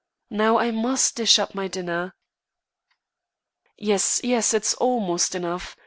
Now, I must dish up my dinner." "Yes, yes; it's almost enough.